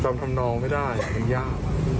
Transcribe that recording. จำทำนองไม่ได้ยาก